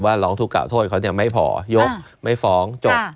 ว่าร้องทุกข์กล่าวโทษเขาเนี่ยไม่พอยกไม่ฟ้องจบ